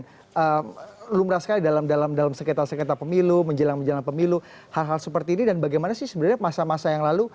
yang lumrah sekali dalam sengketa sekretar pemilu menjelang menjelang pemilu hal hal seperti ini dan bagaimana sih sebenarnya masa masa yang lalu